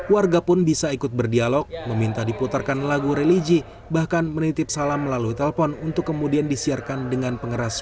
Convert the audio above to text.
warga pun bisa ikut berdialog meminta diputarkan lagu religi bahkan menitip salam melalui telepon untuk kemudian disiarkan dengan pengeras